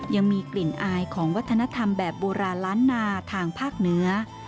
ยังมีกลิ่นอายของวัฒนธรรมแบบโบราณล้านนาทางภาคเหนือ